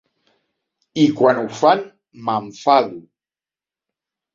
I quan ho fan, m'enfado.